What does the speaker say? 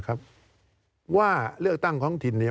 การเลือกตั้งครั้งนี้แน่